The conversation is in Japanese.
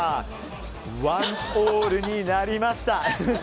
１オールになりました。